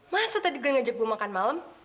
masa tadi glen ngajak gue makan malem